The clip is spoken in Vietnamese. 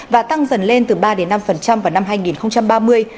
và tăng dần lên từ ba năm vào năm hai nghìn ba mươi